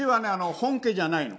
本家じゃないの。